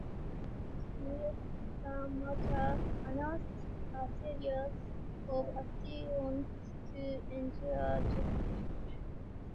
Samyukt Kisan Morcha announced a series of actions to ensure justice.